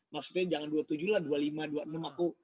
maksudnya jangan dua puluh tujuh lah dua puluh lima dua puluh enam aku